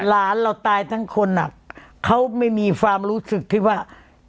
หลานเราตายทั้งคนอ่ะเขาไม่มีความรู้สึกที่ว่า